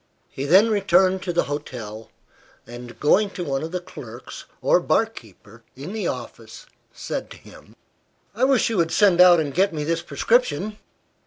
He then returned to the hotel, and, going to one of the clerks, or bar keeper, in the office, said to him "I wish you would send out and get me this prescription."